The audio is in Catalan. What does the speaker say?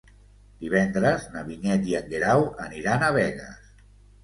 Divendres na Vinyet i en Guerau aniran a Begues.